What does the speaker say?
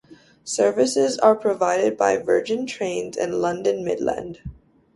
Services are provided by Virgin Trains and London Midland.